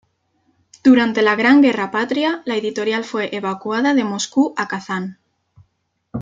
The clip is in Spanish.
Durante la Gran Guerra Patria la editorial fue evacuada de Moscú a Kazán.